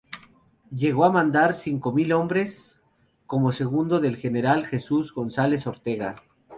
Llegó a mandar cinco mil hombres, como segundo del general Jesús González Ortega.